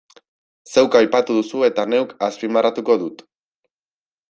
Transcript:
Zeuk aipatu duzu eta neuk azpimarratuko dut.